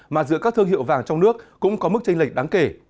mà giữa các thương hiệu vàng trong nước cũng có mức tranh lệnh đáng kể